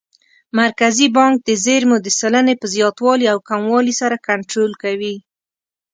مرکزي بانک د زېرمو د سلنې په زیاتوالي او کموالي سره کنټرول کوي.